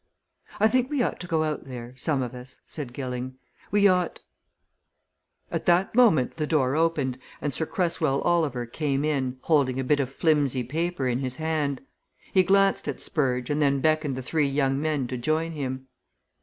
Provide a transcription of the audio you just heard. "I think we ought to go out there some of us," said Gilling. "We ought " At that moment the door opened and Sir Cresswell Oliver came in, holding a bit of flimsy paper in his hand. He glanced at Spurge and then beckoned the three young men to join him.